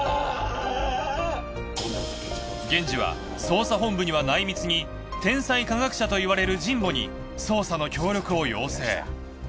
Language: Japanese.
源次は捜査本部には内密に天才科学者といわれる神保に捜査の協力を要請。